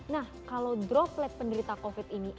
nah kalau droplet penderita covid ini